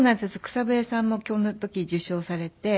草笛さんもこの時受賞されて。